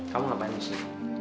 kamu ngapain disini